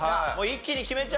一気に。